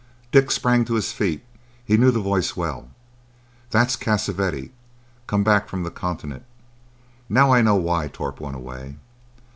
Dick sprang to his feet. He knew the voice well. "That's Cassavetti, come back from the Continent. Now I know why Torp went away.